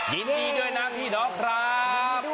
ยินดีด้วยนางพี่ด๊อกครับ